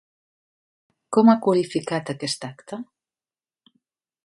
Com ha qualificat aquest acte?